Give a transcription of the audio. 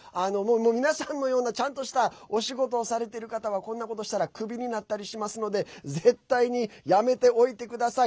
皆さんのようなちゃんとしたお仕事をされてる方はこんなことしたらクビになったりしますので絶対にやめておいてください。